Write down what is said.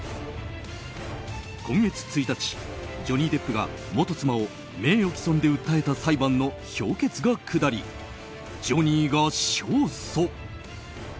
今月１日、ジョニー・デップが元妻を名誉棄損で訴えた裁判の評決が下り、ジョニーが勝訴。